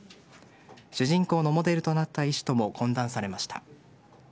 主人公のモデルとなった医師とも懇談されました。